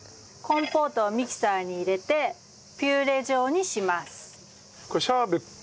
コンポートをミキサーに入れてピューレ状にします。